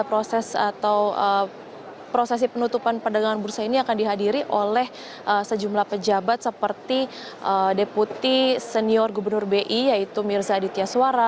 proses atau prosesi penutupan perdagangan bursa ini akan dihadiri oleh sejumlah pejabat seperti deputi senior gubernur bi yaitu mirza aditya suara